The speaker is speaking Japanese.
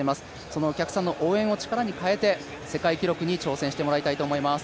そのお客さんの応援を力にかえて、世界記録に挑戦してもらいたいと思います。